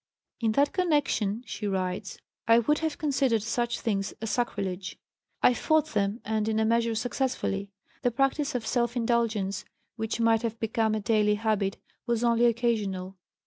"In that connection," she writes, "I would have considered such things a sacrilege. I fought them and in a measure successfully. The practice of self indulgence which might have become a daily habit was only occasional.